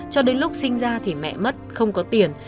cho đến lúc sinh ra thì mẹ mất không có tiền